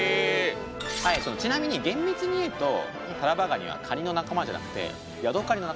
ちなみに厳密に言うとタラバガニはカニの仲間じゃなくてヤドカリの仲間なんですね。